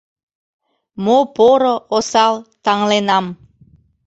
Мо поро, осал — таҥленам.